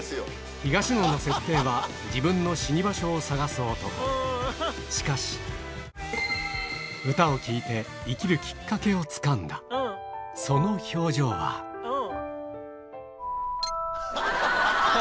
東野の設定は自分の死に場所を探す男しかし歌を聴いて生きるキッカケをつかんだその表情はへぇ！